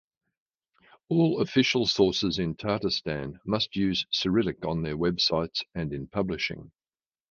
All official sources in Tatarstan must use Cyrillic on their websites and in publishing.